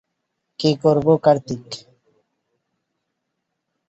কী করবো, কার্তিক?